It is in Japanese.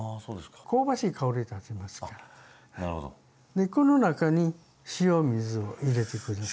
でこの中に塩水を入れて下さい。